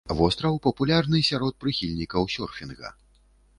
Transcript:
Востраў папулярны сярод прыхільнікаў сёрфінга.